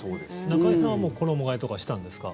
中居さんはもう衣替えとかしたんですか？